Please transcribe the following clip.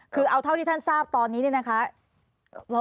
คือเอาเท่าที่ท่านทราบตอนนี้เนี่ยนะคะ